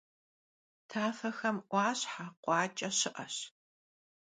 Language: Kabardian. Tafexem 'Uaşhe, khuaç'e şı'eş.